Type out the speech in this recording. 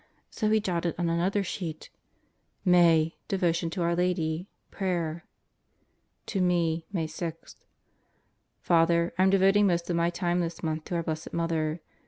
So he jotted on another sheet MAY: DEVOTION TO OUR LADY PRAYER To me, May 6: Father, I'm devoting most of my time this month to our Blessed Mother.